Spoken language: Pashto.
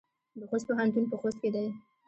د خوست پوهنتون په خوست کې دی